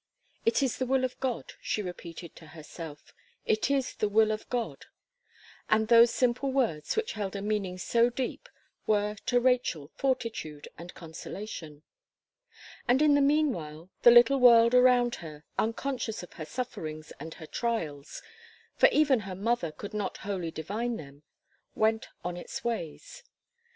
"It is the will of God," she repeated to herself "It is the will of God;" and those simple words, which held a meaning so deep, were to Rachel fortitude and consolation. And in the meanwhile, the little world around her, unconscious of her sufferings and her trials for even her mother could not wholly divine them went on its ways.